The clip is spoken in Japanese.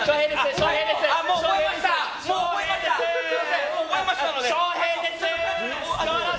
将平です。